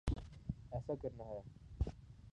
ایسا کرنا ہے۔